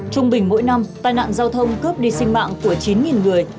trung bình mỗi năm tai nạn giao thông cướp đi sinh mạng của chín người